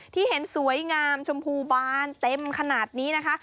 ที่เห็นสวยงามชมพูบานเต็มขนาดนี้นะคะ